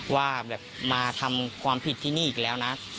ว่าแบบมาทำความผิดที่นี่อีกแล้วนะ